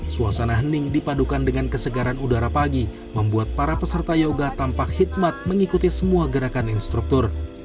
suasana hening dipadukan dengan kesegaran udara pagi membuat para peserta yoga tampak hikmat mengikuti semua gerakan instruktur